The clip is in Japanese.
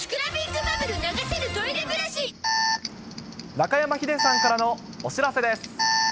中山ヒデさんからのお知らせです。